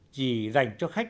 chỉ dành cho khách